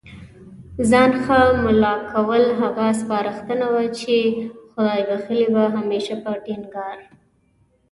ځان ښه مُلا کول، هغه سپارښتنه وه چي خدای بخښلي به هميشه په ټينګار